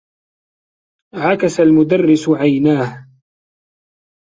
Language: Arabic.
عكس المدرّس عيناه.